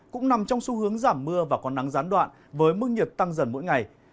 cũng nằm trong xu hướng giảm mưa và có nắng gián đoạn với mức nhiệt tăng dần mỗi ngày